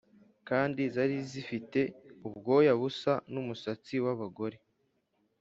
Kandi zari zifite ubwoya busa n’umusatsi w’abagore,